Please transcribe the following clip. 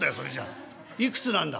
いくつなんだ？」。